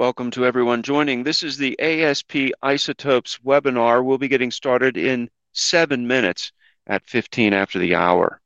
Welcome to everyone joining. This is the ASP Isotopes Webinar. We'll be getting started in seven minutes at 15 after the hour.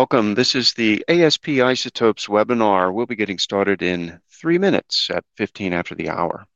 Welcome. This is the ASP Isotopes Webinar. We'll be getting started in three minutes at 15 after the hour.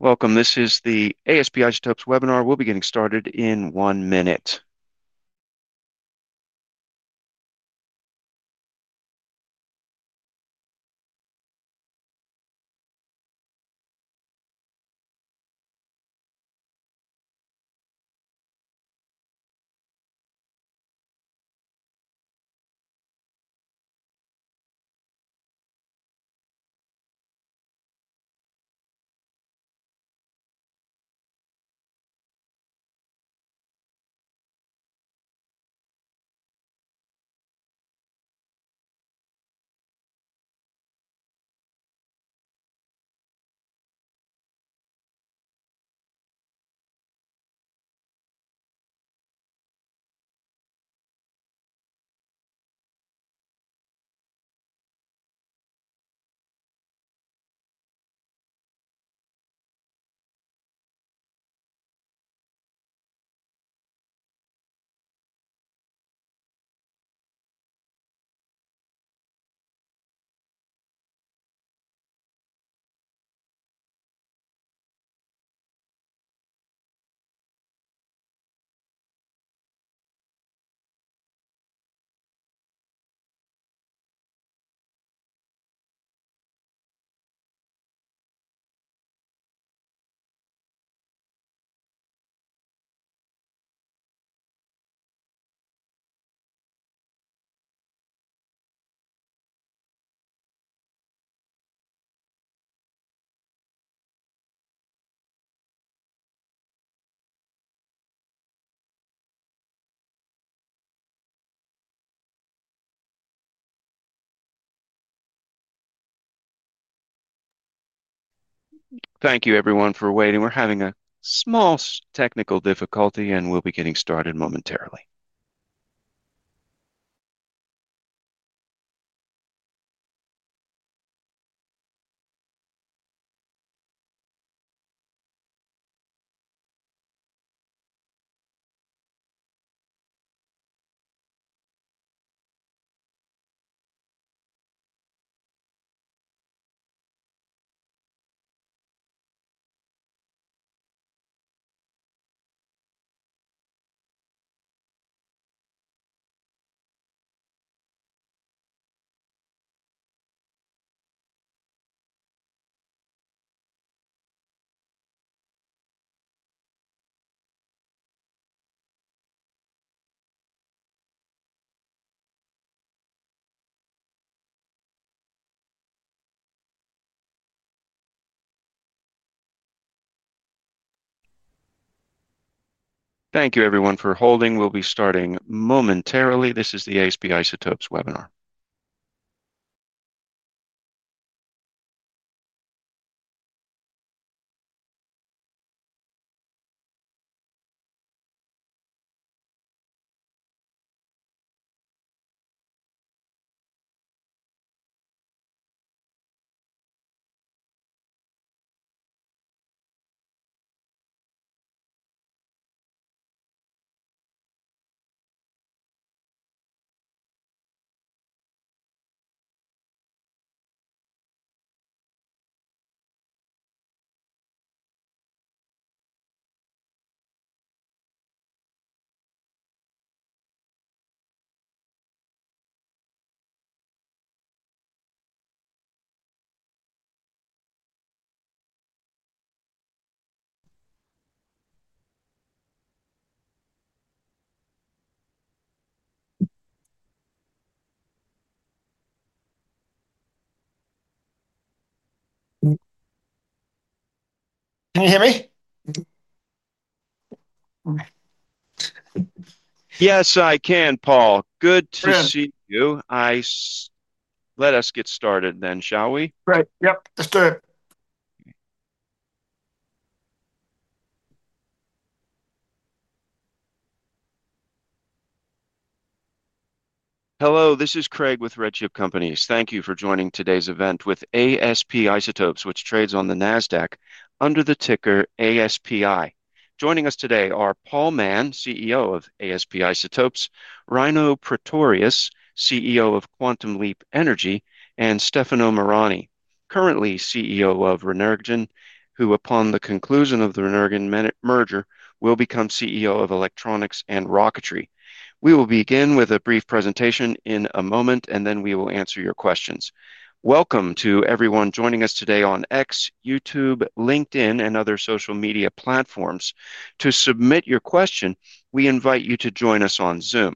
Welcome. This is the ASP Isotopes Webinar. We'll be getting started in one minute. Thank you, everyone, for waiting. We're having a small technical difficulty, and we'll be getting started momentarily. Thank you, everyone, for holding. We'll be starting momentarily. This is the ASP Isotopes Webinar. Can you hear me? Yes, I can, Paul. Good to see you. Let us get started then, shall we? Great. Yep, let's do it. Hello, this is Craig with RedChip Companies. Thank you for joining today's event with ASP Isotopes, which trades on the NASDAQ under the ticker ASPI. Joining us today are Paul Mann, CEO of ASP Isotopes, Ryno Pretorius, CEO of Quantum Leap Energy, and Stefano Marani, currently CEO of Renergen, who upon the conclusion of the Renergen minute merger will become CEO of Electronics and Rocketry. We will begin with a brief presentation in a moment, and then we will answer your questions. Welcome to everyone joining us today on X, YouTube, LinkedIn, and other social media platforms. To submit your question, we invite you to join us on Zoom.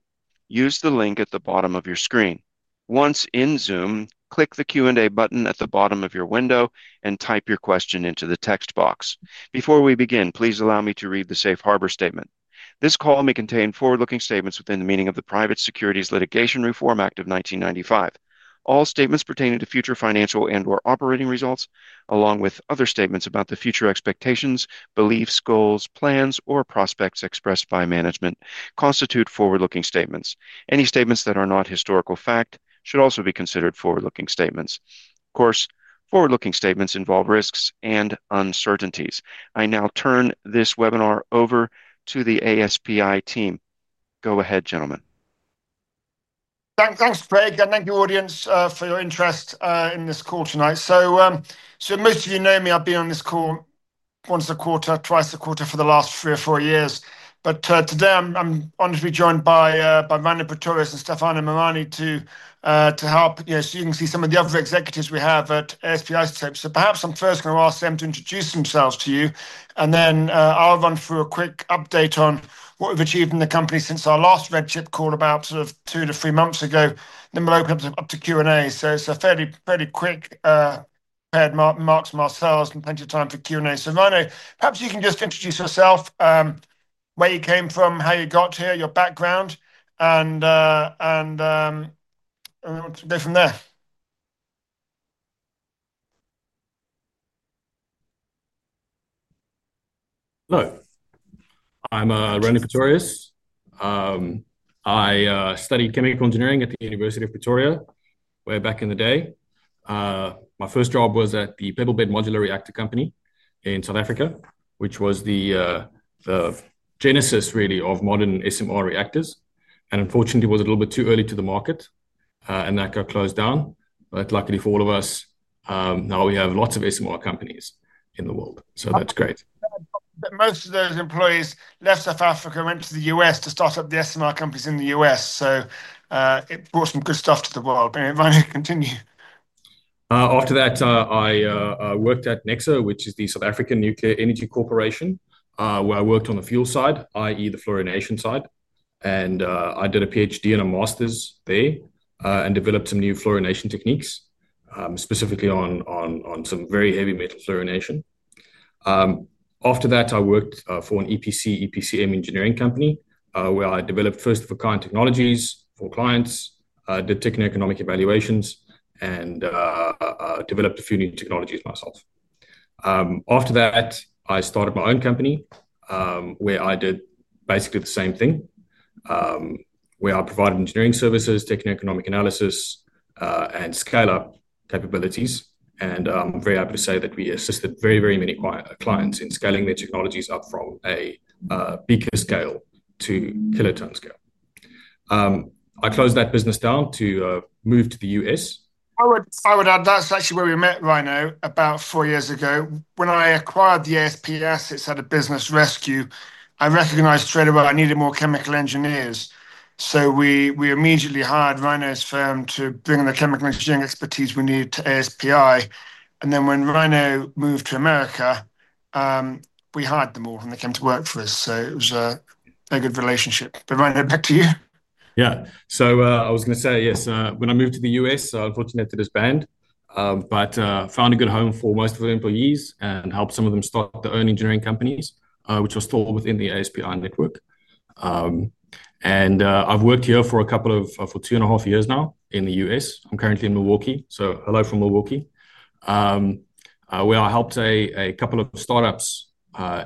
Use the link at the bottom of your screen. Once in Zoom, click the Q&A button at the bottom of your window and type your question into the text box. Before we begin, please allow me to read the safe harbor statement. This call may contain forward-looking statements within the meaning of the Private Securities Litigation Reform Act of 1995. All statements pertaining to future financial and/or operating results, along with other statements about the future expectations, beliefs, goals, plans, or prospects expressed by management constitute forward-looking statements. Any statements that are not historical fact should also be considered forward-looking statements. Of course, forward-looking statements involve risks and uncertainties. I now turn this webinar over to the ASPI team. Go ahead, gentlemen. Thanks, Craig, and thank you, audience, for your interest in this call tonight. Most of you know me. I've been on this call once a quarter, twice a quarter for the last three or four years. Today I'm honored to be joined by Ryno Pretorius and Stefano Marani to help. Yes, you can see some of the other executives we have at ASP Isotopes. Perhaps I'm first going to ask them to introduce themselves to you, and then I'll run through a quick update on what we've achieved in the company since our last RedChip call about two to three months ago. We'll open up to Q&A. It's a fairly quick pair of remarks for ourselves and plenty of time for Q&A. Ryno, perhaps you can just introduce yourself, where you came from, how you got here, your background, and go from there. Hello. I'm Ryno Pretorius. I studied chemical engineering at the University of Pretoria way back in the day. My first job was at the Pebble Bed Modular Reactor Company in South Africa, which was the genesis really of modern SMR reactors. Unfortunately, it was a little bit too early to the market, and that got closed down. Luckily for all of us, now we have lots of SMR companies in the world. That's great. Most of those employees left South Africa, went to the U.S. to start up the SMR companies in the U.S. It brought some good stuff to the world. Ryno, continue. After that, I worked at NECSA, which is the South African Nuclear Energy Corporation, where I worked on the fuel side, i.e., the fluorination side. I did a PhD and a Masters there and developed some new fluorination techniques, specifically on some very heavy metal fluorination. After that, I worked for an EPC, EPCM engineering company, where I developed first-of-a-kind technologies for clients, did techno-economic evaluations, and developed a few new technologies myself. After that, I started my own company, where I did basically the same thing, where I provided engineering services, techno-economic analysis, and scaler capabilities. I'm very happy to say that we assisted very, very many clients in scaling their technologies up from a beaker scale to kiloton scale. I closed that business down to move to the U.S. I would add that's actually where we met Ryno about four years ago. When I acquired [the ASP], it was at a business rescue. I recognized straight away I needed more chemical engineers. We immediately hired Ryno's firm to bring the chemical engineering expertise we needed to ASPI, and then when Ryno moved to America, we hired them all and they came to work for us. It was a very good relationship. Ryno, back to you. Yeah. I was going to say, yes, when I moved to the U.S., unfortunately, I did a spend, but found a good home for most of the employees and helped some of them start their own engineering companies, which are stored within the ASPI network. I've worked here for a couple of, for two and a half years now in the U.S. I'm currently in Milwaukee. Hello from Milwaukee, where I helped a couple of startups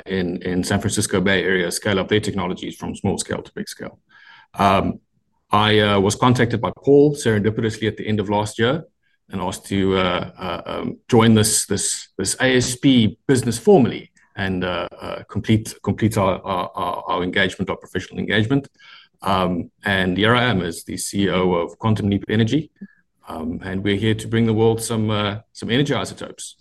in the San Francisco Bay Area scale up their technologies from small scale to big scale. I was contacted by Paul serendipitously at the end of last year and asked to join this ASP business formally and complete our engagement, our professional engagement. Here I am as the CEO of Quantum Leap Energy, and we're here to bring the world some energy isotopes.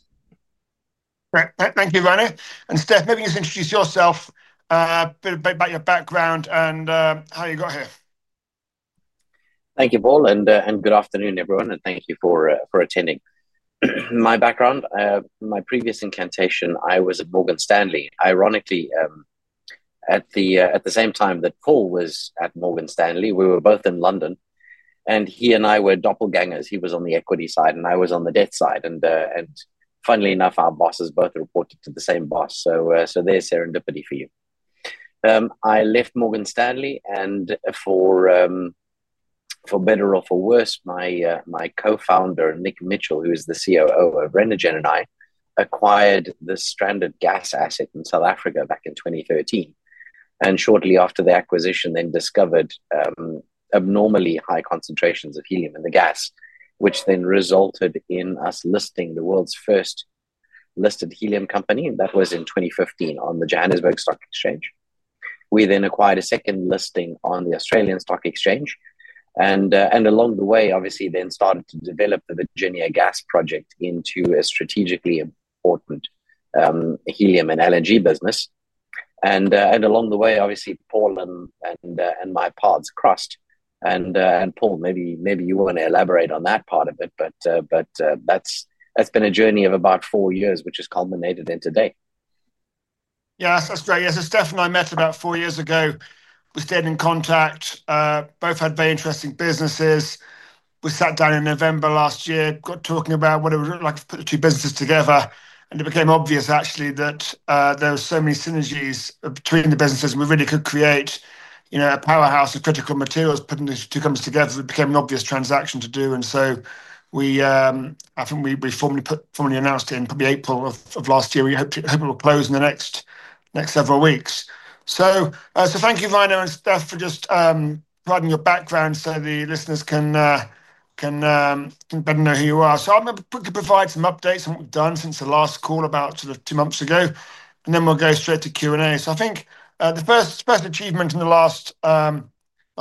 Thank you, Ryno. Stef, maybe you just introduce yourself, a bit about your background and how you got here. Thank you, Paul. Good afternoon, everyone, and thank you for attending. My background, my previous incantation, I was at Morgan Stanley. Ironically, at the same time that Paul was at Morgan Stanley, we were both in London. He and I were doppelgangers. He was on the equity side, and I was on the debt side. Funnily enough, our bosses both reported to the same boss. There's serendipity for you. I left Morgan Stanley. For better or for worse, my co-founder, Nick Mitchell, who is the COO of Renergen, and I acquired the stranded gas asset in South Africa back in 2013. Shortly after the acquisition, they discovered abnormally high concentrations of helium in the gas, which then resulted in us listing the world's first listed Helium Company. That was in 2015 on the Johannesburg Stock Exchange. We then acquired a second listing on the Australian Stock Exchange. Along the way, obviously, then started to develop the Virginia Gas Project into a strategically important helium and LNG business. Along the way, obviously, Paul and my paths crossed. Paul, maybe you want to elaborate on that part of it. That's been a journey of about four years, which has culminated in today. Yeah, that's right. Yes, Stef and I met about four years ago. We stayed in contact. Both had very interesting businesses. We sat down in November last year, got talking about what it was like to put the two businesses together. It became obvious, actually, that there were so many synergies between the businesses. We really could create a powerhouse of critical materials, putting the two companies together. It became an obvious transaction to do. I think we formally announced it in probably April of last year. We hope it will close in the next several weeks. Thank you, Ryno and Stef, for just providing your background so the listeners can better know who you are. I'm going to provide some updates on what we've done since the last call about sort of two months ago, and then we'll go straight to Q&A. I think the first achievement in the last sort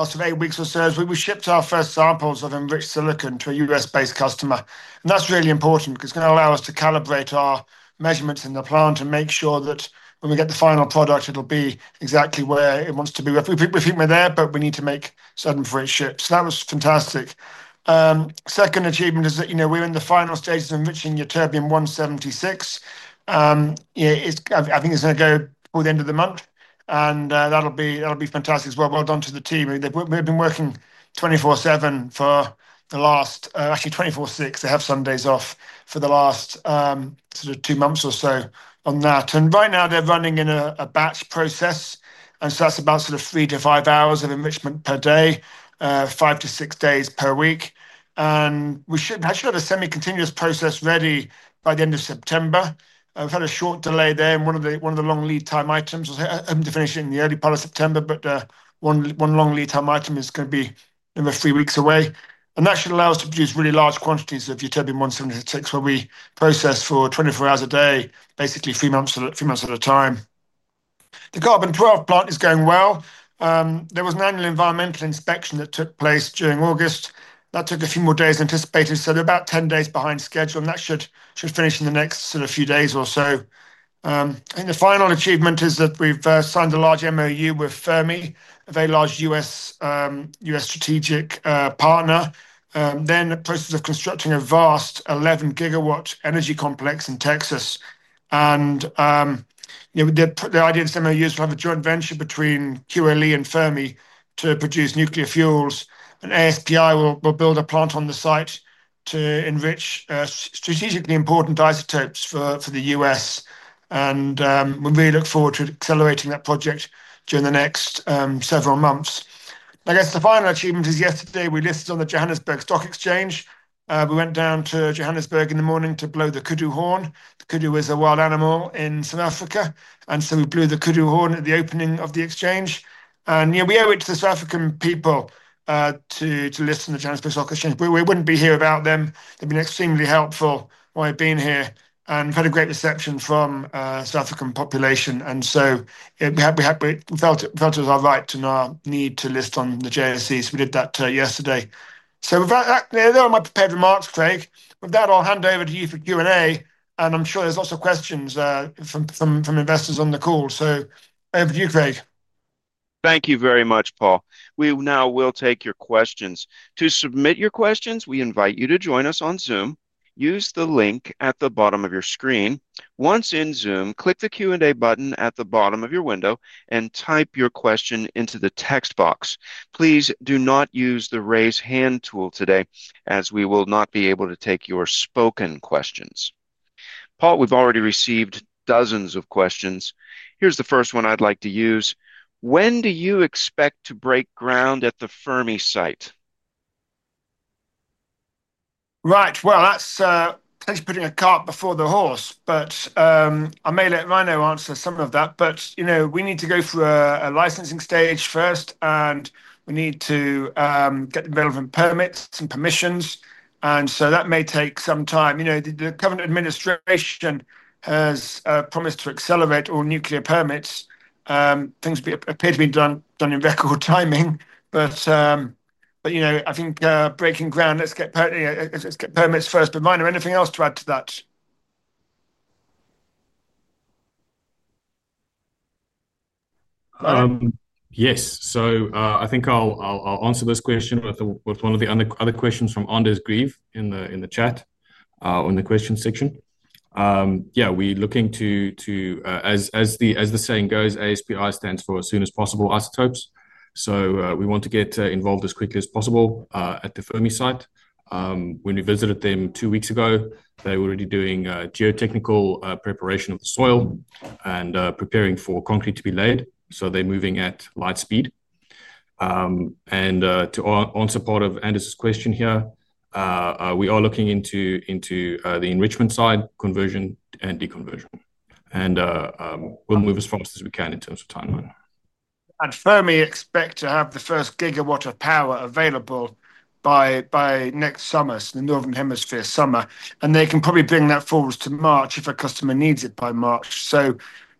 of eight weeks or so is we shipped our first samples of enriched silicon-28 to a U.S.-based customer. That's really important because it's going to allow us to calibrate our measurements in the plant and make sure that when we get the final product, it'll be exactly where it wants to be. We think we're there, but we need to make certain before it ships. That was fantastic. Second achievement is that we're in the final stages of enriching Ytterbium-176. I think it's going to go before the end of the month, and that'll be fantastic as well. Well done to the team. We've been working 24/7 for the last, actually 24/6. They have Sundays off for the last sort of two months or so on that. Right now, they're running in a batch process, and that's about sort of three to five hours of enrichment per day, five to six days per week. We should actually have a semi-continuous process ready by the end of September. We've had a short delay there, and one of the long lead time items was hoping to finish it in the early part of September, but one long lead time item is going to be three weeks away. That should allow us to produce really large quantities of Ytterbium-176 where we process for 24 hours a day, basically three months at a time. The Carbon-12 plant is going well. There was an annual environmental inspection that took place during August. That took a few more days than anticipated, so they're about 10 days behind schedule, and that should finish in the next sort of few days or so. I think the final achievement is that we've signed a large memorandum of understanding with Fermi, a very large U.S. strategic partner. They are in the process of constructing a vast 11-gigawatt energy complex in Texas. The idea in this memorandum of understanding is to have a joint venture between Quantum Leap Energy and Fermi to produce nuclear fuels. ASP Isotopes will build a plant on the site to enrich strategically important isotopes for the U.S. We really look forward to accelerating that project during the next several months. I guess the final achievement is yesterday we listed on the Johannesburg Stock Exchange. We went down to Johannesburg in the morning to blow the kudu horn. Kudu is a wild animal in South Africa. We blew the kudu horn at the opening of the exchange. We owe it to the South African people to list on the Johannesburg Stock Exchange. We wouldn't be here without them. They've been extremely helpful while I've been here. We've had a great reception from the South African population. We felt it was our right and our need to list on the JSE. We did that yesterday. With that, those are my prepared remarks, Craig. With that, I'll hand over to you for Q&A. I'm sure there's lots of questions from investors on the call. Over to you, Craig. Thank you very much, Paul. We now will take your questions. To submit your questions, we invite you to join us on Zoom. Use the link at the bottom of your screen. Once in Zoom, click the Q&A button at the bottom of your window and type your question into the text box. Please do not use the raise hand tool today, as we will not be able to take your spoken questions. Paul, we've already received dozens of questions. Here's the first one I'd like to use. When do you expect to break ground at the Fermi site? Right. That's putting the cart before the horse. I may let Ryno answer some of that. You know we need to go through a licensing stage first, and we need to get the relevant permits and permissions. That may take some time. The government administration has promised to accelerate all nuclear permits. Things appear to be done in record timing. I think breaking ground, let's get permits first. Ryno, anything else to add to that? Yes. I think I'll answer this question with one of the other questions from Anders Grief in the chat or in the question section. We're looking to, as the saying goes, ASP stands for as soon as possible isotopes. We want to get involved as quickly as possible at the Fermi site. When we visited them two weeks ago, they were already doing geotechnical preparation of the soil and preparing for concrete to be laid. They're moving at light speed. To answer part of Anders' question here, we are looking into the enrichment side, conversion, and deconversion. We'll move as fast as we can in terms of timeline. Fermi expect to have the first gigawatt of power available by next summer, the Northern Hemisphere summer. They can probably bring that forward to March if a customer needs it by March.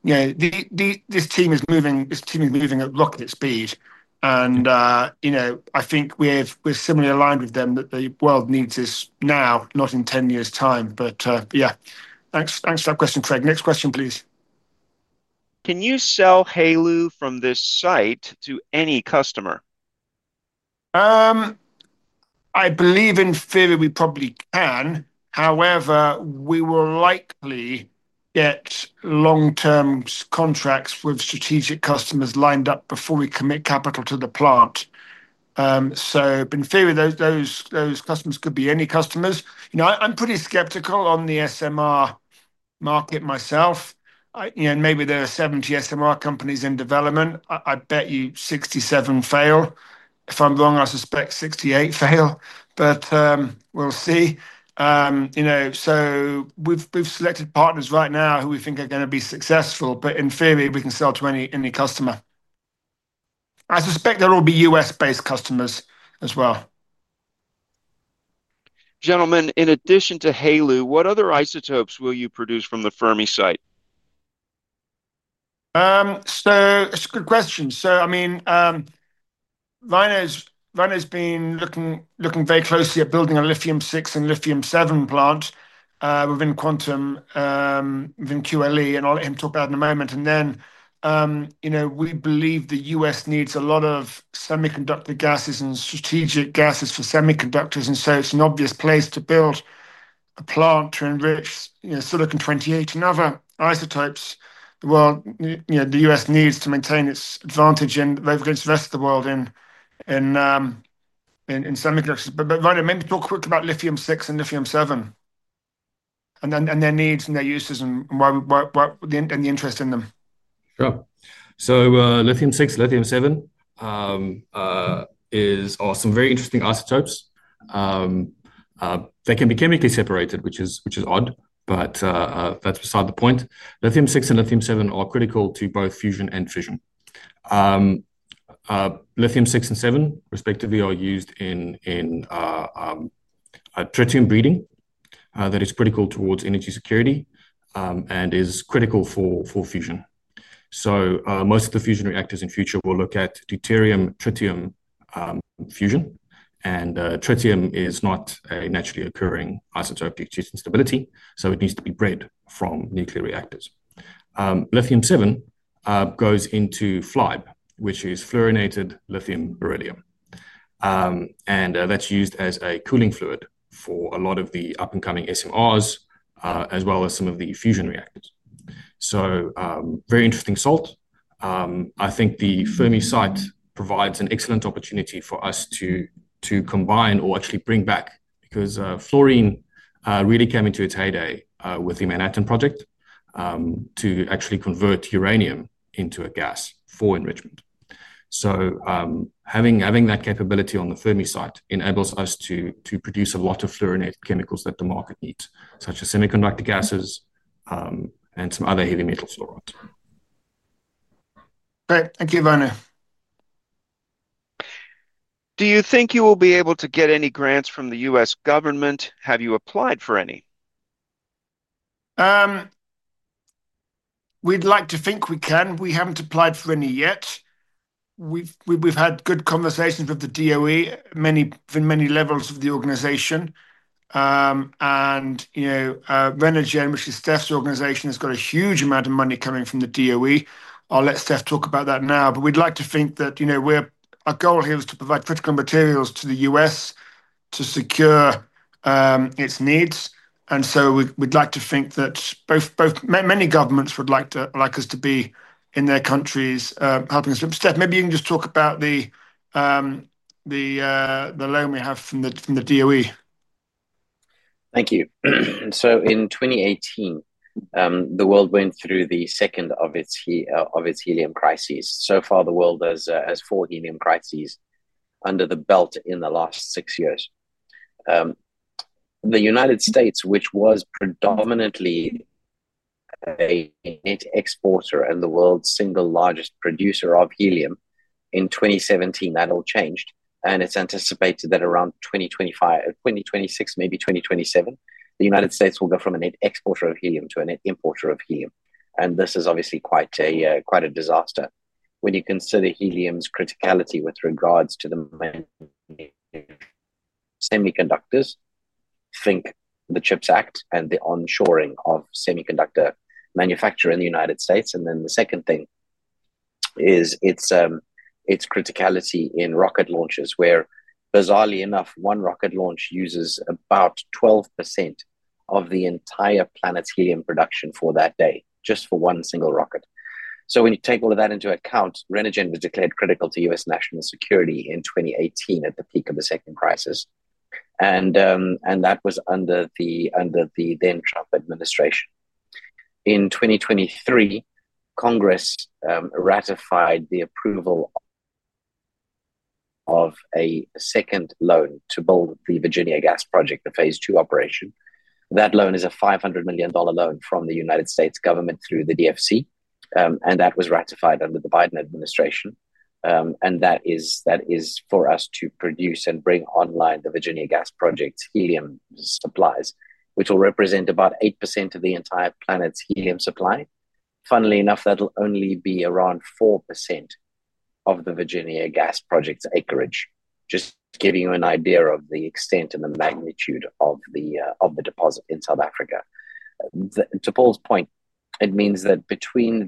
This team is moving at rocket speed. I think we're similarly aligned with them that the world needs this now, not in 10 years' time. Thanks for that question, Craig. Next question, please. Can you sell HALU from this site to any customer? I believe in theory we probably can. However, we will likely get long-term contracts with strategic customers lined up before we commit capital to the plant. In theory, those customers could be any customers. I'm pretty skeptical on the SMR market myself. Maybe there are 70 SMR companies in development. I bet you 67 fail. If I'm wrong, I suspect 68 fail. We'll see. We've selected partners right now who we think are going to be successful. In theory, we can sell to any customer. I suspect there will be U.S.-based customers as well. Gentlemen, in addition to HALU, what other isotopes will you produce from the Fermi site? It's a good question. I mean, Ryno's been looking very closely at building a Lithium-6 and Lithium-7 plant within Quantum Leap Energy, within QLE. I'll let him talk about it in a moment. You know we believe the U.S. needs a lot of semiconductor gases and strategic gases for semiconductors. It's an obvious place to build a plant to enrich silicon-28 and other isotopes. The U.S. needs to maintain its advantage and overlook the rest of the world in semi [just], Ryno, maybe talk quickly about Lithium-6 and Lithium-7, and their needs and their uses and why we and the interest in them. Sure. Lithium-6, Lithium-7 are some very interesting isotopes. They can be chemically separated, which is odd. That's beside the point. Lithium-6 and Lithium-7 are critical to both fusion and fission. Lithium-6 and 7, respectively, are used in tritium breeding that is critical towards energy security and is critical for fusion. Most of the fusion reactors in the future will look at deuterium-tritium fusion. Tritium is not a naturally occurring isotope due to its instability. It needs to be bred from nuclear reactors. Lithium-7 goes into FLiBe, which is fluorinated lithium-beryllium. That's used as a cooling fluid for a lot of the up-and-coming SMRs, as well as some of the fusion reactors. Very interesting salt. I think the Fermi site provides an excellent opportunity for us to combine or actually bring back, because fluorine really came into its heyday with the Manhattan Project to actually convert uranium into a gas for enrichment. Having that capability on the Fermi site enables us to produce a lot of fluorinated chemicals that the market needs, such as semiconductor gases and some other heavy metal fluorides. Thank you, Ryno. Do you think you will be able to get any grants from the U.S. government? Have you applied for any? We'd like to think we can. We haven't applied for any yet. We've had good conversations with the DOE, many levels of the organization. Renergen, which is Stef's organization, has got a huge amount of money coming from the DOE. I'll let Stef talk about that now. We'd like to think that our goal here is to provide critical materials to the U.S. to secure its needs. We'd like to think that many governments would like us to be in their countries helping us. Stef, maybe you can just talk about the loan we have from the DOE. Thank you. In 2018, the world went through the second of its helium crises. The world has four helium crises under the belt in the last six years. The United States, which was predominantly an exporter and the world's single largest producer of helium, in 2017, that all changed. It is anticipated that around 2025, 2026, maybe 2027, the United States will go from an exporter of helium to an importer of helium. This is obviously quite a disaster when you consider helium's criticality with regards to the semiconductors, think the CHIPS Act and the onshoring of semiconductor manufacturing in the United States. The second thing is its criticality in rocket launches, where, bizarrely enough, one rocket launch uses about 12% of the entire planet's helium production for that day, just for one single rocket. When you take all of that into account, Renergen was declared critical to U.S. national security in 2018 at the peak of the second crisis. That was under the then-Trump administration. In 2023, Congress ratified the approval of a second loan to build the Virginia Gas Project, the Phase II operation. That loan is a $500 million loan from the United States government through the DFC. That was ratified under the Biden administration. That is for us to produce and bring online the Virginia Gas Project's helium supplies, which will represent about 8% of the entire planet's helium supply. Funnily enough, that'll only be around 4% of the Virginia Gas Project's acreage, just giving you an idea of the extent and the magnitude of the deposit in South Africa. To Paul's point, it means that between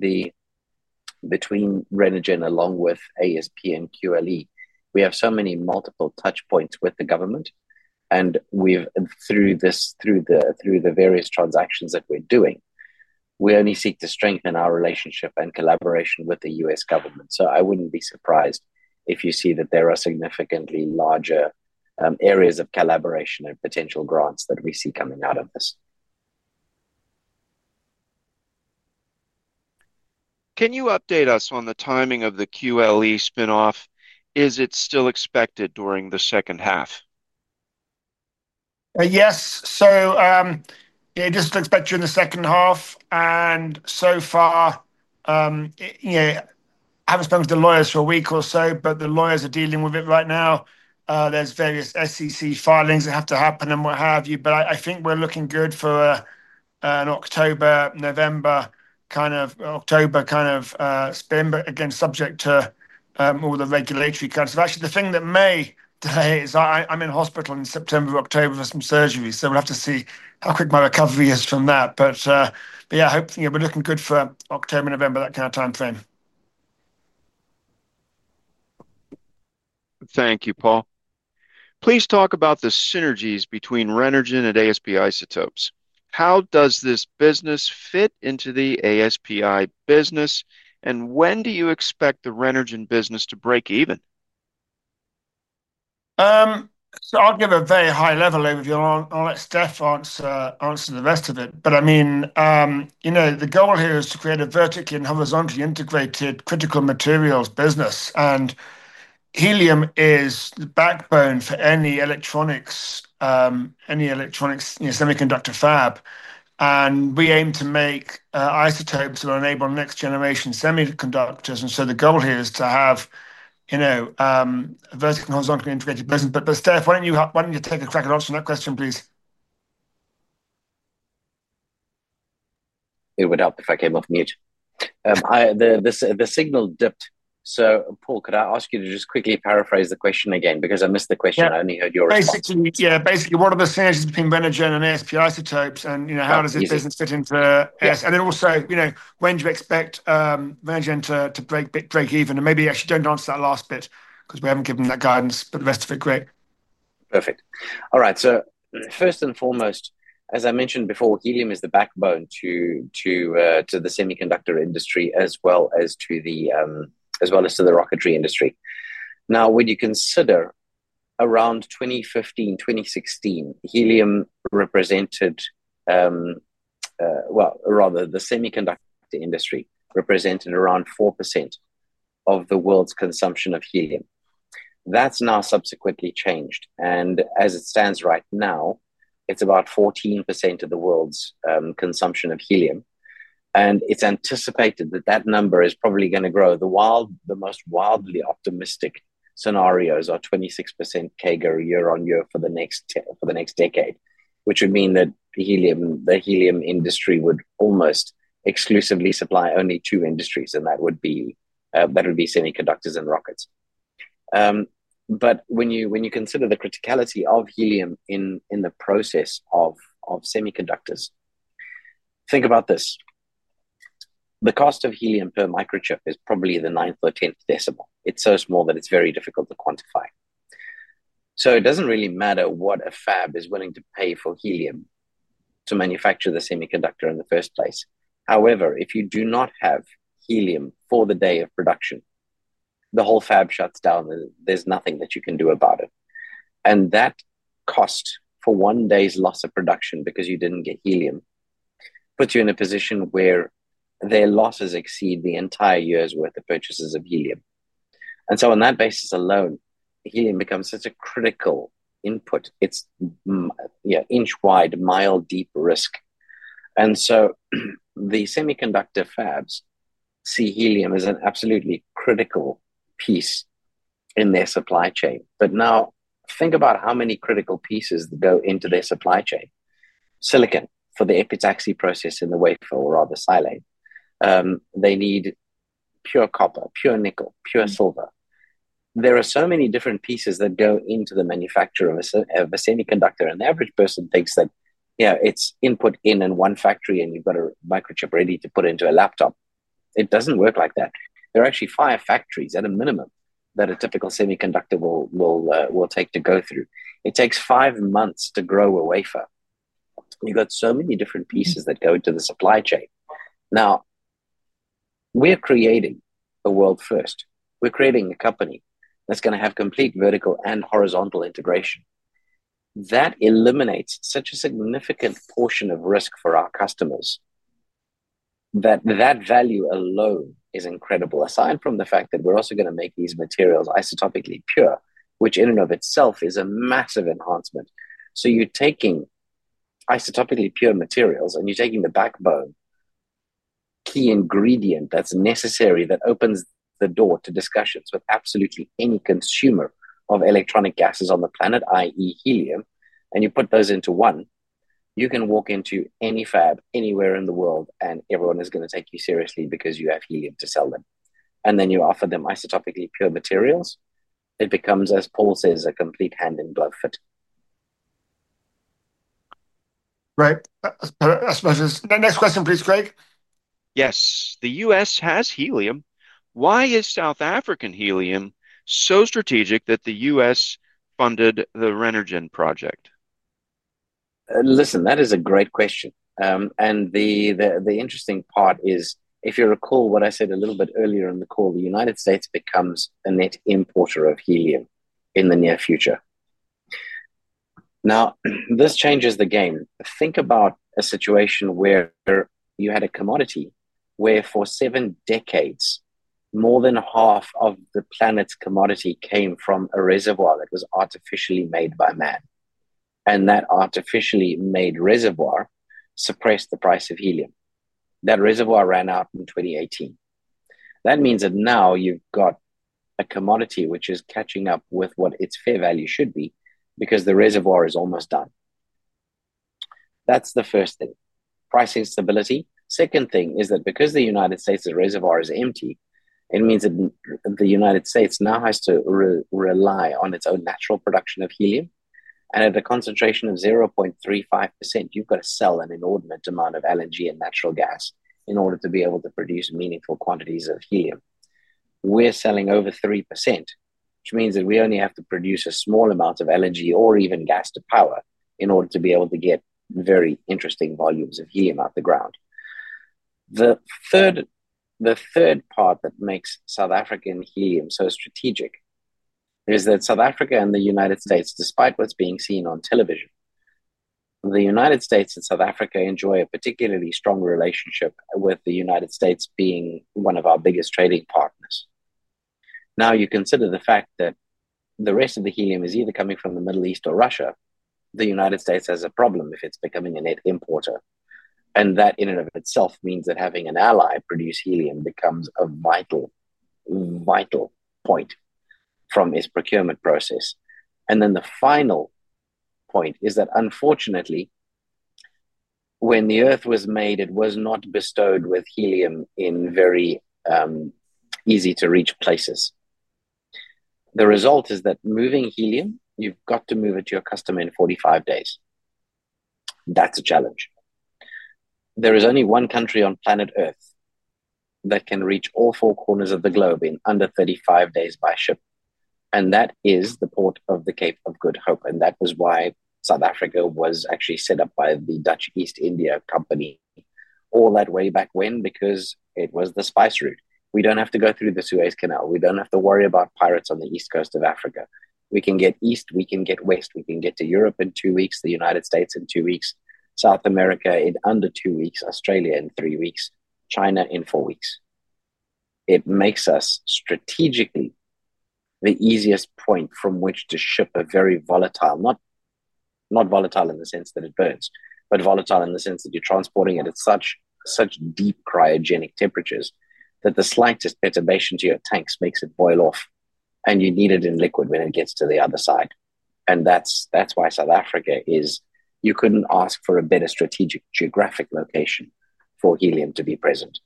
Renergen, along with ASP and QLE, we have so many multiple touchpoints with the government. Through the various transactions that we're doing, we only seek to strengthen our relationship and collaboration with the U.S. government. I wouldn't be surprised if you see that there are significantly larger areas of collaboration and potential grants that we see coming out of this. Can you update us on the timing of the QLE spin-off? Is it still expected during the second half? Yes, it is still expected during the second half. So far, I haven't spoken to the lawyers for a week or so, but the lawyers are dealing with it right now. There are various SEC filings that have to happen and what have you. I think we're looking good for an October-November kind of October kind of spin, but again, subject to all the regulatory kinds. Actually, the thing that may delay is I'm in hospital in September-October for some surgery. We'll have to see how quick my recovery is from that. Hopefully, we're looking good for October-November, that kind of timeframe. Thank you, Paul. Please talk about the synergies between Renergen and ASP Isotopes. How does this business fit into the ASPI business? When do you expect the Renergen business to break even? I'll give a very high-level overview, and I'll let Stef answer the rest of it. I mean, the goal here is to create a vertically and horizontally integrated critical materials business. Helium is the backbone for any electronics, any electronics semiconductor fab. We aim to make isotopes that will enable next-generation semiconductors. The goal here is to have a vertically and horizontally integrated business. Stef, why don't you take a second answer to that question, please? It would help if I came off mute. The signal dipped. Paul, could I ask you to just quickly paraphrase the question again? I missed the question. I only heard yours. What are the synergies between Renergen and ASP Isotopes? How does this business fit into it? When do you expect Renergen to break even? Maybe you actually don't answer that last bit because we haven't given that guidance. The rest of it, great. Perfect. All right. So first and foremost, as I mentioned before, helium is the backbone to the semiconductor industry, as well as to the rocketry industry. Now, when you consider around 2015-2016, helium represented, well, rather the semiconductor industry represented around 4% of the world's consumption of helium. That's now subsequently changed. As it stands right now, it's about 14% of the world's consumption of helium. It's anticipated that that number is probably going to grow. The most wildly optimistic scenarios are 26% CAGR year on year for the next decade, which would mean that the helium industry would almost exclusively supply only two industries. That would be semiconductors and rockets. When you consider the criticality of helium in the process of semiconductors, think about this. The cost of helium per microchip is probably the ninth or tenth decibel. It's so small that it's very difficult to quantify. It doesn't really matter what a fab is willing to pay for helium to manufacture the semiconductor in the first place. However, if you do not have helium for the day of production, the whole fab shuts down. There's nothing that you can do about it. That cost for one day's loss of production because you didn't get helium puts you in a position where their losses exceed the entire year's worth of purchases of helium. On that basis alone, helium becomes such a critical input. It's inch-wide, mile-deep risk. The semiconductor fabs see helium as an absolutely critical piece in their supply chain. Now think about how many critical pieces go into their supply chain. Silicon for the epitaxy process in the wafer or rather silane. They need pure copper, pure nickel, pure silver. There are so many different pieces that go into the manufacture of a semiconductor. The average person thinks that it's input in in one factory and you've got a microchip ready to put into a laptop. It doesn't work like that. There are actually five factories at a minimum that a typical semiconductor will take to go through. It takes five months to grow a wafer. You've got so many different pieces that go into the supply chain. Now, we're creating a world first. We're creating a company that's going to have complete vertical and horizontal integration. That eliminates such a significant portion of risk for our customers that that value alone is incredible, aside from the fact that we're also going to make these materials isotopically pure, which in and of itself is a massive enhancement. You're taking isotopically pure materials and you're taking the backbone, key ingredient that's necessary that opens the door to discussions with absolutely any consumer of electronic gases on the planet, i.e., helium. You put those into one. You can walk into any fab anywhere in the world and everyone is going to take you seriously because you have helium to sell them. You offer them isotopically pure materials. It becomes, as Paul says, a complete hand-in-glove fit. Right. I suppose. Next question, please, Craig. Yes. The U.S. has helium. Why is South African helium so strategic that the U.S. funded the Renergen project? Listen, that is a great question. The interesting part is, if you recall what I said a little bit earlier in the call, the United States becomes a net importer of helium in the near future. This changes the game. Think about a situation where you had a commodity where, for seven decades, more than half of the planet's commodity came from a reservoir that was artificially made by man. That artificially made reservoir suppressed the price of helium. That reservoir ran out in 2018. That means that now you've got a commodity which is catching up with what its fair value should be because the reservoir is almost done. That's the first thing: pricing stability. The second thing is that because the United States' reservoir is empty, it means that the United States now has to rely on its own natural production of helium. At a concentration of 0.35%, you've got to sell an inordinate amount of LNG and natural gas in order to be able to produce meaningful quantities of helium. We're selling over 3%, which means that we only have to produce a small amount of LNG or even gas to power in order to be able to get very interesting volumes of helium out the ground. The third part that makes South African helium so strategic is that South Africa and the United States, despite what's being seen on television, the United States and South Africa enjoy a particularly strong relationship with the United States being one of our biggest trading partners. You consider the fact that the rest of the helium is either coming from the Middle East or Russia. The United States has a problem if it's becoming a net importer. That in and of itself means that having an ally produce helium becomes a vital, vital point from its procurement process. The final point is that, unfortunately, when the Earth was made, it was not bestowed with helium in very easy-to-reach places. The result is that moving helium, you've got to move it to your customer in 45 days. That's a challenge. There is only one country on planet Earth that can reach all four corners of the globe in under 35 days by ship, and that is the port of the Cape of Good Hope. That was why South Africa was actually set up by the Dutch East India Company all that way back when, because it was the spice route. We don't have to go through the Suez Canal. We don't have to worry about pirates on the east coast of Africa. We can get east. We can get west. We can get to Europe in two weeks, the United States in two weeks, South America in under two weeks, Australia in three weeks, China in four weeks. It makes us strategically the easiest point from which to ship a very volatile, not volatile in the sense that it burns, but volatile in the sense that you're transporting it at such deep cryogenic temperatures that the slightest perturbation to your tanks makes it boil off. You need it in liquid when it gets to the other side. That's why South Africa is, you couldn't ask for a better strategic geographic location for helium to be present.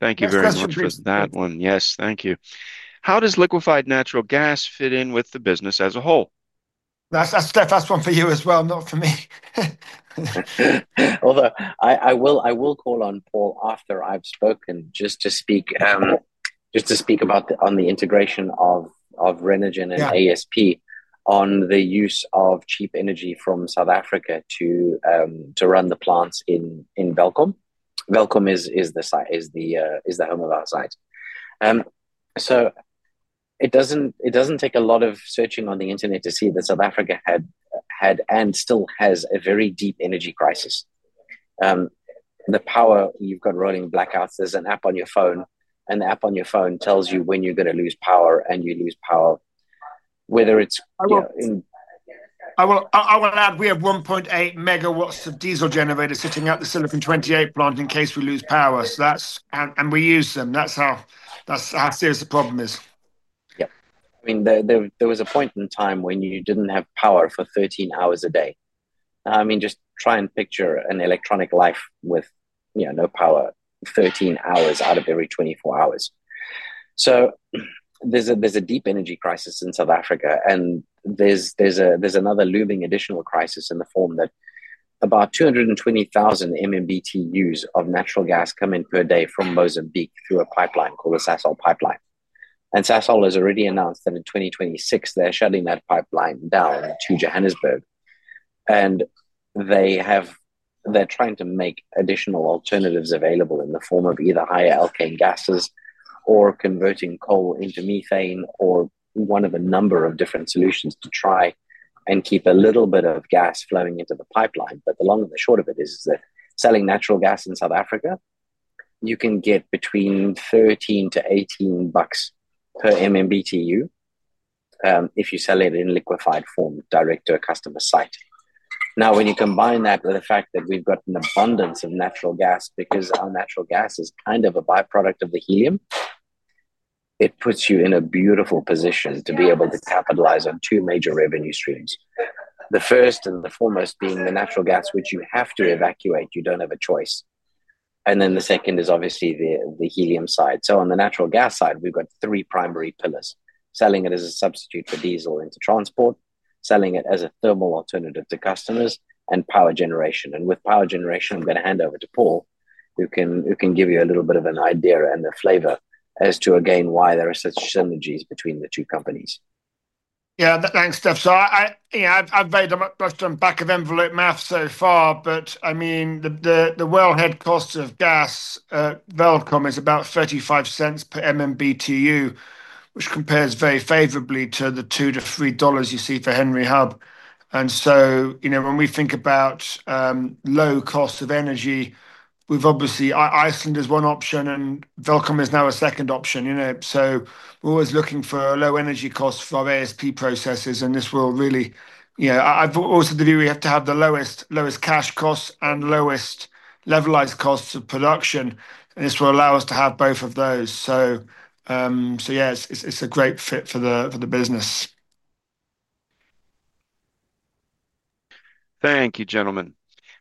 Thank you very much for that one. Yes, thank you. How does liquefied natural gas fit in with the business as a whole? That's Stef's one for you as well, not for me. Although I will call on Paul after I've spoken just to speak about the integration of Renergen and ASP Isotopes on the use of cheap energy from South Africa to run the plants in Belcom. Belcom is the home of our site. It doesn't take a lot of searching on the internet to see that South Africa had and still has a very deep energy crisis. The power you've got running blackouts is an app on your phone. An app on your phone tells you when you're going to lose power and you lose power, whether it's in. I will add we have 1.8 MW of diesel generators sitting outside the silicon-28 plant in case we lose power. We use them. That's how serious the problem is. I mean, there was a point in time when you didn't have power for 13 hours a day. Just try and picture an electronic life with no power 13 hours out of every 24 hours. There's a deep energy crisis in South Africa. There's another looming additional crisis in the form that about 220,000 MMBtu's of natural gas come in per day from Mozambique through a pipeline called the Sasol pipeline. Sasol has already announced that in 2026, they're shutting that pipeline down to Johannesburg. They're trying to make additional alternatives available in the form of either higher alkane gases or converting coal into methane or one of a number of different solutions to try and keep a little bit of gas flowing into the pipeline. The long and the short of it is that selling natural gas in South Africa, you can get between $13-$18 per MMBtu if you sell it in liquefied form direct to a customer site. When you combine that with the fact that we've got an abundance of natural gas because our natural gas is kind of a byproduct of the helium, it puts you in a beautiful position to be able to capitalize on two major revenue streams. The first and the foremost being the natural gas, which you have to evacuate. You don't have a choice. The second is obviously the helium side. On the natural gas side, we've got three primary pillars: selling it as a substitute for diesel into transport, selling it as a thermal alternative to customers, and power generation. With power generation, I'm going to hand over to Paul, who can give you a little bit of an idea and the flavor as to, again, why there are such synergies between the two companies. Yeah, thanks, Stef. I've made a lot of back-of-envelope math so far. I mean, the wellhead cost of gas at Belcom is about $0.35 per MMBtu, which compares very favorably to the $2 to $3 you see for Henry Hub. When we think about low costs of energy, obviously Iceland is one option and Belcom is now a second option. We're always looking for low energy costs for our ASP processes. This will really, you know, I also believe we have to have the lowest cash costs and lowest levelized costs of production. This will allow us to have both of those. Yeah, it's a great fit for the business. Thank you, gentlemen.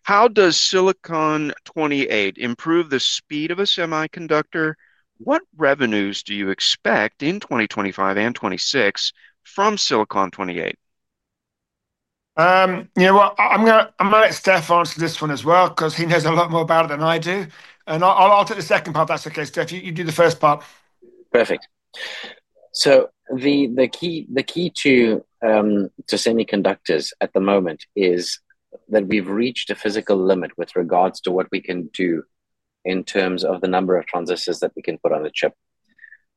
How does silicon-28 improve the speed of a semiconductor? What revenues do you expect in 2025 and 2026 from silicon-28? I'm going to let Stef answer this one as well because he knows a lot more about it than I do. I'll take the second part if that's OK, Stef. You do the first part. Perfect. The key to semiconductors at the moment is that we've reached a physical limit with regards to what we can do in terms of the number of transistors that we can put on a chip.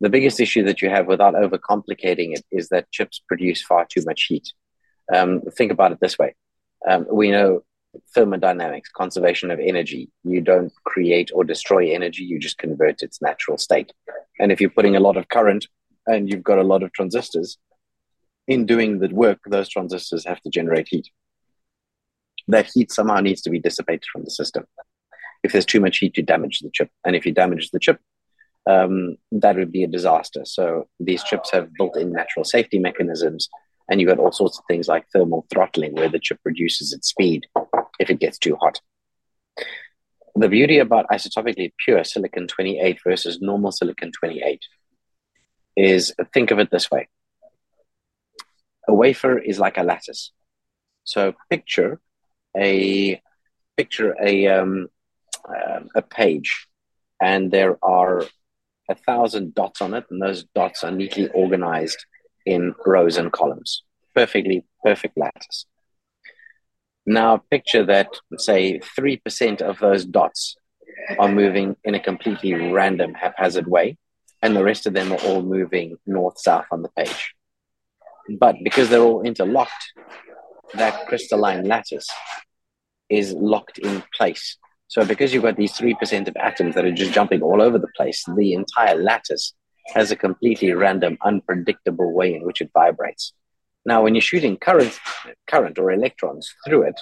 The biggest issue that you have, without overcomplicating it, is that chips produce far too much heat. Think about it this way. We know thermodynamics, conservation of energy. You don't create or destroy energy. You just convert its natural state. If you're putting a lot of current and you've got a lot of transistors doing the work, those transistors have to generate heat. That heat somehow needs to be dissipated from the system if there's too much heat to damage the chip. If you damage the chip, that would be a disaster. These chips have built-in natural safety mechanisms. You've got all sorts of things like thermal throttling, where the chip reduces its speed if it gets too hot. The beauty about isotopically pure silicon-28 versus normal silicon-28 is, think of it this way. A wafer is like a lattice. Picture a page. There are 1,000 dots on it, and those dots are neatly organized in rows and columns. Perfectly perfect lattices. Now, picture that, say, 3% of those dots are moving in a completely random, haphazard way, and the rest of them are all moving north-south on the page. Because they're all interlocked, that crystalline lattice is locked in place. Because you've got these 3% of atoms that are just jumping all over the place, the entire lattice has a completely random, unpredictable way in which it vibrates. When you're shooting current or electrons through it,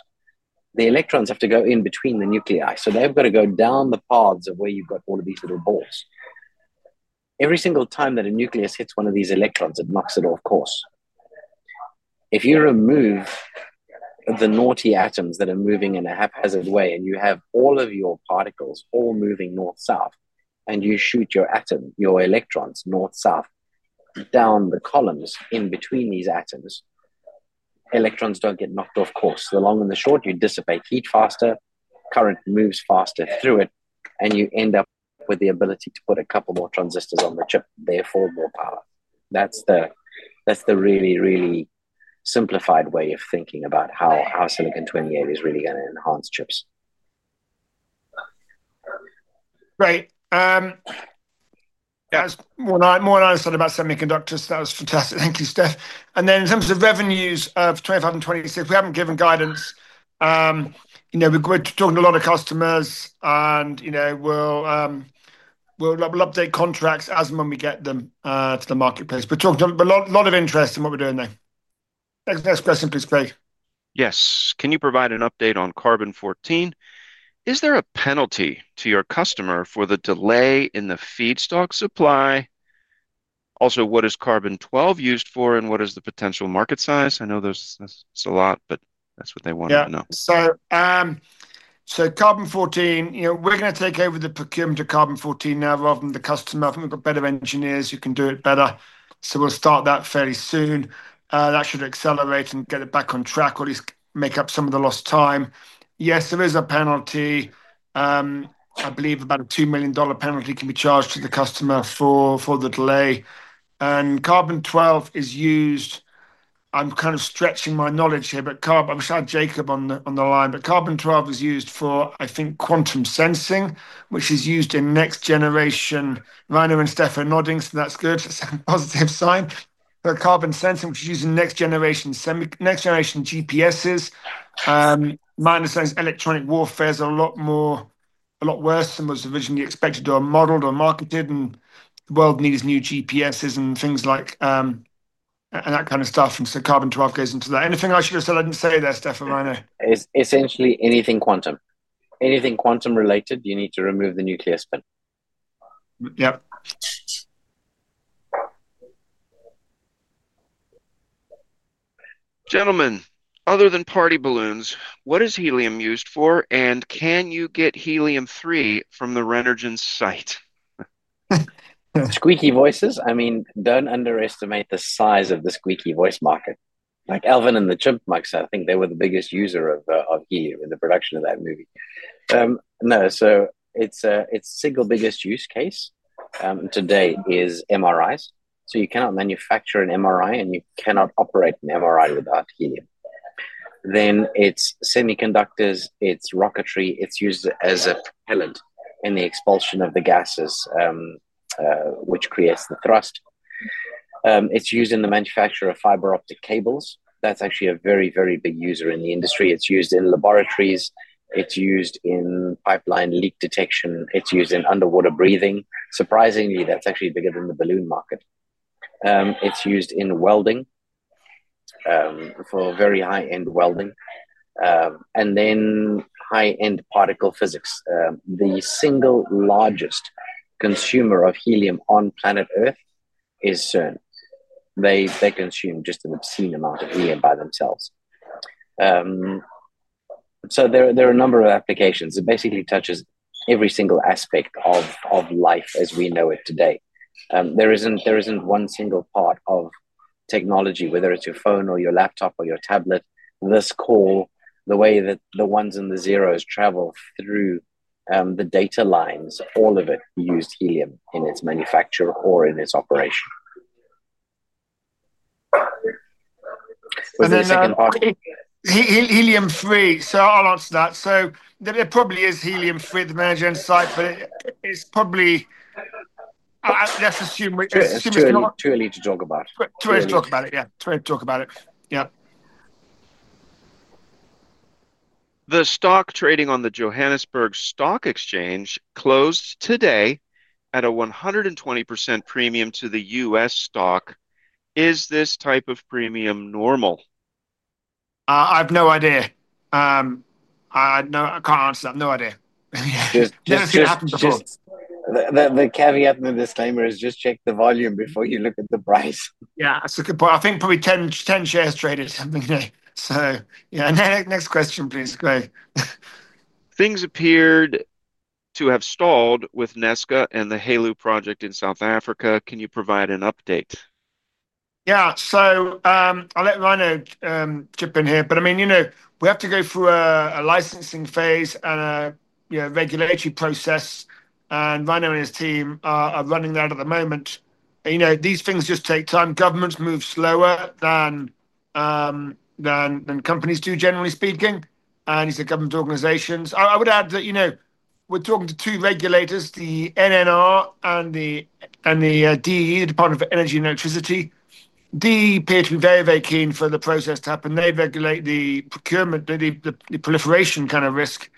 the electrons have to go in between the nuclei. They've got to go down the paths of where you've got all of these little balls. Every single time that a nucleus hits one of these electrons, it marks a north course. If you remove the naughty atoms that are moving in a haphazard way and you have all of your particles all moving north-south and you shoot your electrons north-south down the columns in between these atoms, electrons don't get knocked off course. Long and the short, you dissipate heat faster, current moves faster through it, and you end up with the ability to put a couple more transistors on the chip, therefore more power. That's the really, really simplified way of thinking about how silicon-28 is really going to enhance chips. Great. Yeah, it's more and I'm more nice than about semiconductors. That was fantastic. Thank you, Stef. In terms of revenues of 2025, we haven't given guidance. We're talking to a lot of customers, and we'll update contracts as and when we get them to the marketplace. We're talking to a lot of interest in what we're doing there. Next question, please, Craig. Yes. Can you provide an update on Carbon-14? Is there a penalty to your customer for the delay in the feedstock supply? Also, what is Carbon-12 used for? What is the potential market size? I know there's a lot, but that's what they wanted to know. Yeah. So Carbon-14, you know we're going to take over the procurement of Carbon-14 now rather than the customer. I think we've got better engineers who can do it better. We'll start that fairly soon. That should accelerate and get it back on track, or at least make up some of the lost time. Yes, there is a penalty. I believe about a $2 million penalty can be charged to the customer for the delay. Carbon-12 is used. I'm kind of stretching my knowledge here, but I'm sure I'm Jacob on the line. Carbon-12 is used for, I think, quantum sensing, which is used in next-generation. Ryno and Stef are nodding, so that's good. That's a positive sign. Carbon sensing, which is used in next-generation GPSs. Ryno says electronic warfare is a lot worse than was originally expected or modeled or marketed. The world needs new GPSs and things like that kind of stuff. Carbon-12 goes into that. Anything else you've got to say? I didn't say it there, Stef and Ryno. Essentially, anything quantum. Anything quantum-related, you need to remove the nuclear spin. Yep. Gentlemen, other than party balloons, what is helium used for? Can you get Helium-3 from the Renergen site? Squeaky voices. I mean, don't underestimate the size of the squeaky voice market. Like Alvin and the Chipmunks, I think they were the biggest user of helium in the production of that movie. Its single biggest use case today is MRIs. You cannot manufacture an MRI, and you cannot operate an MRI without helium. Then it's semiconductors. It's rocketry. It's used as a pellet in the expulsion of the gases, which creates the thrust. It's used in the manufacture of fiber optic cables. That's actually a very, very big user in the industry. It's used in laboratories. It's used in pipeline leak detection. It's used in underwater breathing. Surprisingly, that's actually bigger than the balloon market. It's used in welding for very high-end welding and then high-end particle physics. The single largest consumer of helium on planet Earth is CERN. They consume just an obscene amount of helium by themselves. There are a number of applications. It basically touches every single aspect of life as we know it today. There isn't one single part of technology, whether it's your phone or your laptop or your tablet, this call, the way that the ones and the zeros travel through the data lines, all of it used helium in its manufacture or in its operation. Helium-3. I'll answer that. There probably is Helium-3 at the Renergen site, but it's probably, let's assume it's not. Too early to talk about it. Too early to talk about it, yeah. Too early to talk about it, yeah. The stock trading on the Johannesburg Stock Exchange closed today at a 120% premium to the U.S. stock. Is this type of premium normal? I can't answer that. I have no idea. Yeah, it just happens to us. The caveat and the disclaimer is just check the volume before you look at the price. I think probably 10 shares traded today. Next question, please, Craig. Things appeared to have stalled with NESCA and the HALU project in South Africa. Can you provide an update? Yeah, I'll let Ryno chip in here. I mean, you know we have to go through a licensing phase and a regulatory process. Ryno and his team are running that at the moment. These things just take time. Governments move slower than companies do, generally speaking, and these are government organizations. I would add that we're talking to two regulators, the NNR and the DE, the Department of Energy and Electricity. DE appear to be very, very keen for the process to happen. They regulate the procurement, the proliferation kind of risk.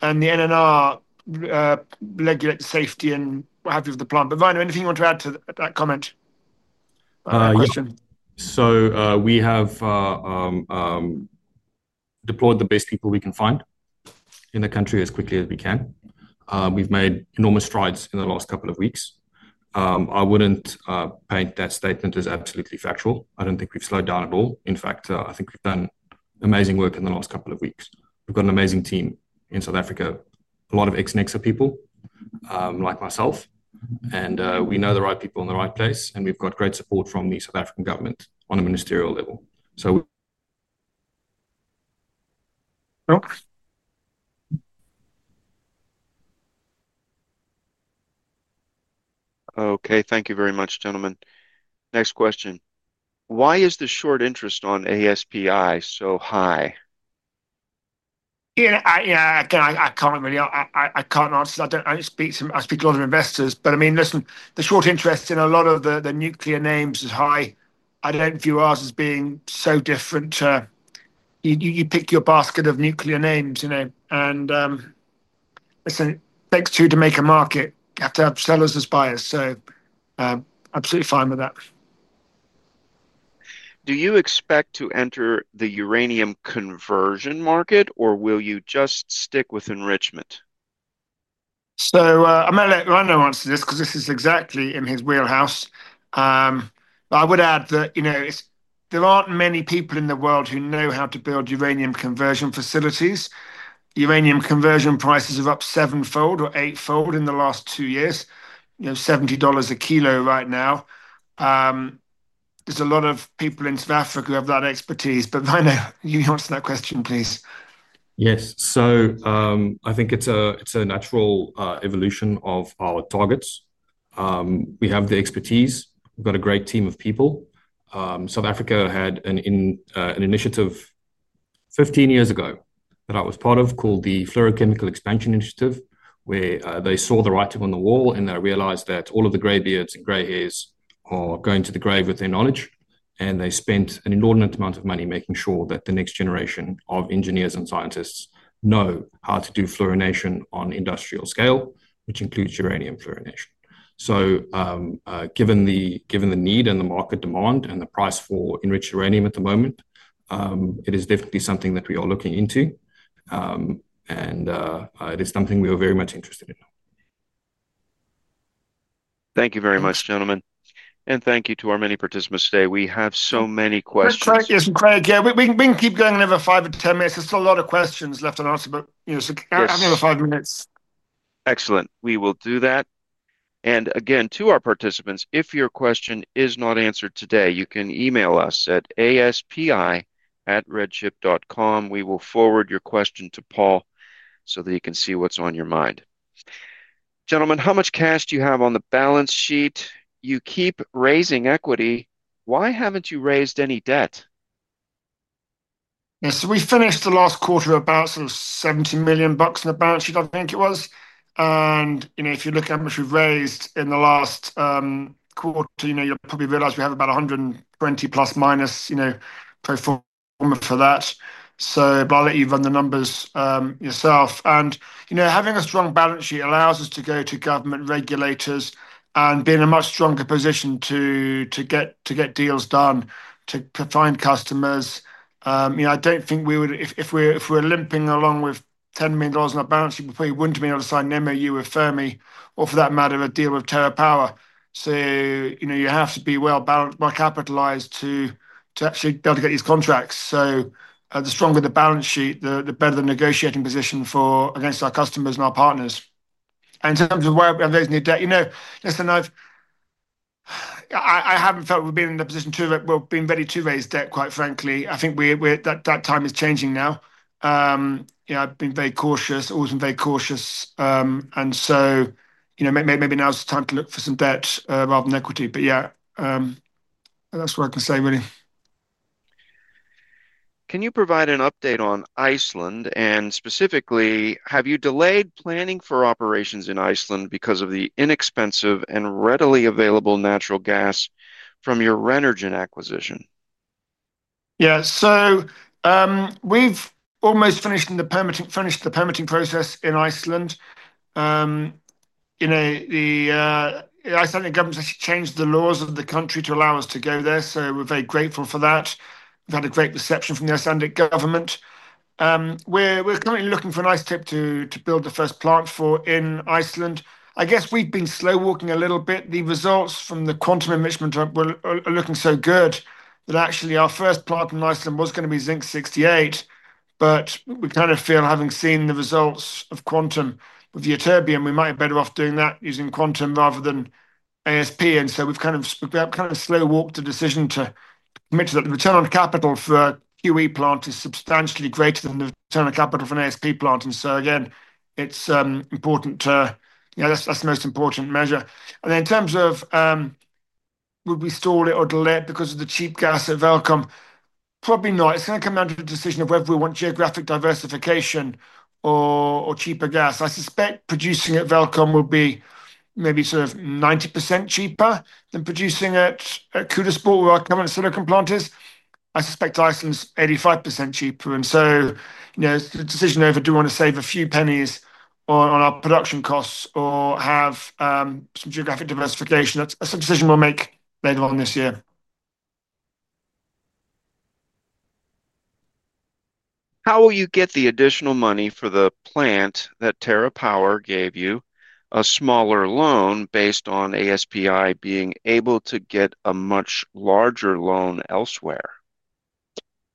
The NNR regulate the safety and what have you of the plant. Ryno, anything you want to add to that comment? We have deployed the best people we can find in the country as quickly as we can. We've made enormous strides in the last couple of weeks. I wouldn't paint that statement as absolutely factual. I don't think we've slowed down at all. In fact, I think we've done amazing work in the last couple of weeks. We've got an amazing team in South Africa, a lot of ex-NEXA people like myself. We know the right people in the right place, and we've got great support from the South African government on a ministerial level. OK. Thank you very much, gentlemen. Next question. Why is the short interest on ASPI so high? I can't really answer that. I speak to a lot of investors. The short interest in a lot of the nuclear names is high. I don't view ours as being so different. You pick your basket of nuclear names. It takes two to make a market. You have to have sellers as buyers. I'm absolutely fine with that. Do you expect to enter the uranium conversion market, or will you just stick with enrichment? I'm going to let Ryno answer this because this is exactly in his wheelhouse. I would add that there aren't many people in the world who know how to build uranium conversion facilities. Uranium conversion prices have upped sevenfold or eightfold in the last two years. You know, $70 a kilo right now. There's a lot of people in South Africa who have that expertise. Ryno, you answer that question, please. Yes. I think it's a natural evolution of our targets. We have the expertise. We've got a great team of people. South Africa had an initiative 15 years ago that I was part of called the Fluorochemical Expansion Initiative, where they saw the writing on the wall. They realized that all of the graybeards and grayheads are going to the grave with their knowledge. They spent an inordinate amount of money making sure that the next generation of engineers and scientists know how to do fluorination on industrial scale, which includes uranium fluorination. Given the need and the market demand and the price for enriched uranium at the moment, it is definitely something that we are looking into. It is something we are very much interested in. Thank you very much, gentlemen. Thank you to our many participants today. We have so many questions. Yes, Craig. Yeah, we can keep going another five to 10 minutes. There's still a lot of questions left unanswered. You know, I have another five minutes. Excellent. We will do that. Again, to our participants, if your question is not answered today, you can email us at aspi@redchip.com. We will forward your question to Paul so that he can see what's on your mind. Gentlemen, how much cash do you have on the balance sheet? You keep raising equity. Why haven't you raised any debt? Yes, so we finished the last quarter with about $70 million in the balance sheet, I think it was. If you look at what we've raised in the last quarter, you'll probably realize we have about $120 million plus minus pro forma for that. I'll let you run the numbers yourself. Having a strong balance sheet allows us to go to government regulators and be in a much stronger position to get deals done, to find customers. I don't think we would, if we're limping along with $10 million on our balance sheet, we probably wouldn't be able to sign an MOU with Fermi or, for that matter, a deal with TerraPower. You have to be well-capitalized to actually be able to get these contracts. The stronger the balance sheet, the better the negotiating position for against our customers and our partners. In terms of where we're raising the debt, I haven't felt we've been in the position to be ready to raise debt, quite frankly. I think that time is changing now. I've been very cautious, always been very cautious. Maybe now's the time to look for some debt rather than equity. That's what I can say, really. Can you provide an update on Iceland? Specifically, have you delayed planning for operations in Iceland because of the inexpensive and readily available natural gas from your Renergen acquisition? Yeah, so we've almost finished the permitting process in Iceland. The Icelandic government has changed the laws of the country to allow us to go there. We're very grateful for that. We've had a great reception from the Icelandic government. We're currently looking for a site to build the first plant for in Iceland. I guess we've been slow-walking a little bit. The results from the quantum enrichment are looking so good that actually our first plant in Iceland was going to be Zinc-68. We kind of feel, having seen the results of quantum with the Ytterbium, we might be better off doing that using quantum rather than ASP. We've kind of slow-walked the decision to commit to that. The return on capital for a QE plant is substantially greater than the return on capital for an ASP plant. It's important to, you know, that's the most important measure. In terms of would we stall it or delay it because of the cheap gas at Welkom, probably not. It's going to come down to the decision of whether we want geographic diversification or cheaper gas. I suspect producing at Welkom will be maybe sort of 90% cheaper than producing at Klerksdorp, where our current silicon plant is. I suspect Iceland's 85% cheaper. It's a decision over do we want to save a few pennies on our production costs or have some geographic diversification. That's a decision we'll make later on this year. How will you get the additional money for the plant that TerraPower gave you? A smaller loan based on ASPI being able to get a much larger loan elsewhere?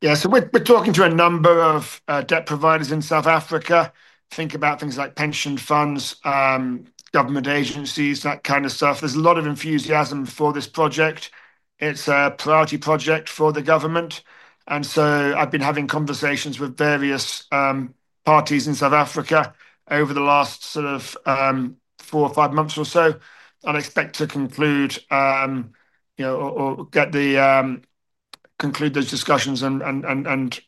Yeah, so we're talking to a number of debt providers in South Africa. Think about things like pension funds, government agencies, that kind of stuff. There's a lot of enthusiasm for this project. It's a priority project for the government. I've been having conversations with various parties in South Africa over the last four or five months or so. I expect to conclude those discussions and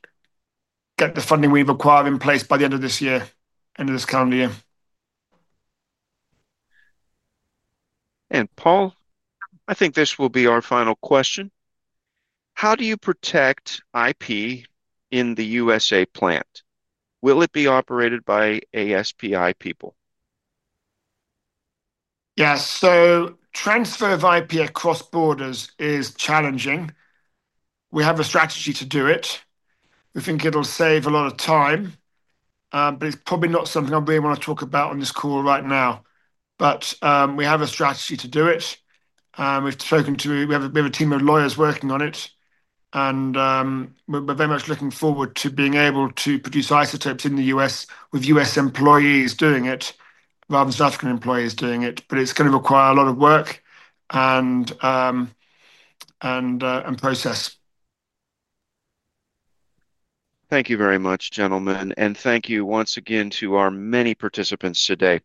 get the funding we've acquired in place by the end of this year, end of this calendar year. Paul, I think this will be our final question. How do you protect IP in the U.S.A. plant? Will it be operated by ASPI people? Transfer of IP across borders is challenging. We have a strategy to do it. We think it'll save a lot of time. It's probably not something I really want to talk about on this call right now. We have a strategy to do it. We've spoken to, we have a team of lawyers working on it. We're very much looking forward to being able to produce isotopes in the U.S. with U.S. employees doing it rather than South African employees doing it. It's going to require a lot of work and process. Thank you very much, gentlemen. Thank you once again to our many participants today.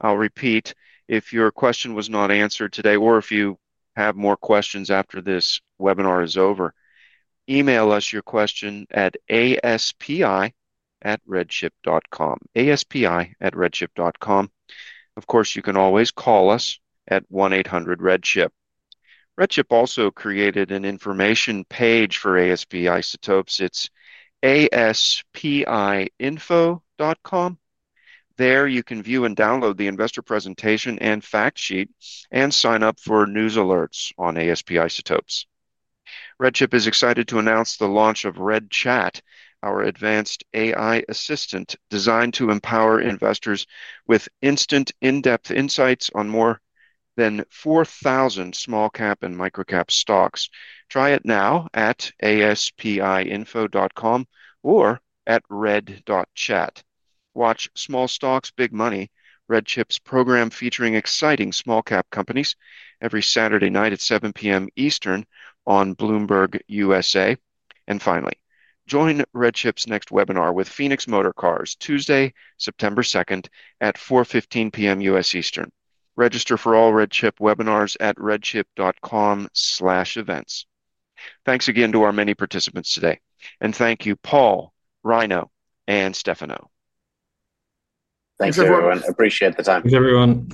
I'll repeat, if your question was not answered today or if you have more questions after this webinar is over, email us your question at aspi@redchip.com. aspi@redchip.com. Of course, you can always call us at 1-800-REDSHIP. RedChip also created an information page for ASPI. It's aspiinfo.com. There, you can view and download the investor presentation and fact sheet and sign up for news alerts on ASP Isotopes. RedChip is excited to announce the launch of Red Chat, our advanced AI assistant designed to empower investors with instant in-depth insights on more than 4,000 small cap and micro cap stocks. Try it now at aspiinfo.com or at red.chat. Watch "Small Stocks, Big Money: RedChip's Program" featuring exciting small cap companies every Saturday night at 7:00 P.M. Eastern on Bloomberg U.S.A. Finally, join RedChip's next webinar with Phoenix Motor Cars Tuesday, September 2nd at 4:15 P.M. U.S. Eastern. Register for all RedChip webinars at redchip.com/events. Thanks again to our many participants today. Thank you, Paul, Ryno, and Stefano. Thanks, everyone. Appreciate the time. Thanks, everyone.